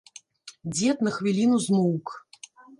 Дзед на хвіліну змоўк.